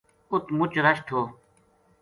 اُت مچ رش تھو